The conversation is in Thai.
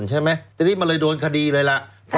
แล้วเขาก็ใช้วิธีการเหมือนกับในการ์ตูน